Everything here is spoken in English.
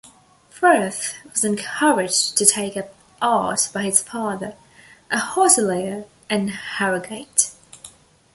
Frith was encouraged to take up art by his father, a hotelier in Harrogate.